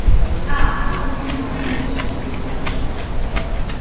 Ha!, détruisant tout sur son passage.